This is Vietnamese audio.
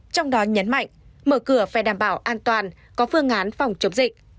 trong đó nhấn mạnh mở cửa phải đảm bảo an toàn có phương án phòng chống dịch